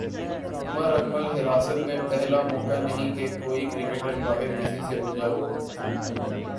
عمر اکمل حراست میںپہلا موقع نہیں کہ کوئی کرکٹر باہر کسی سے الجھا ہو